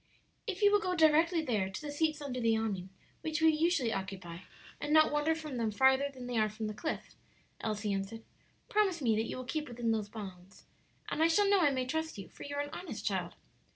"If you will go directly there, to the seats under the awning which we usually occupy, and not wander from them farther than they are from the cliff," Elsie answered. "Promise me that you will keep within those bounds, and I shall know I may trust you; for you are an honest child."